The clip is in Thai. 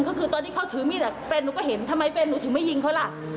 ก็คือตอนที่เขาถือมีดแฟนหนูก็เห็นทำไมแฟนหนูถึงไม่ยิงเขาล่ะ